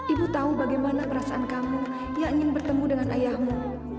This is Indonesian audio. ibu tahu bagaimana perasaan kamu yang ingin bertemu dengan ayahmu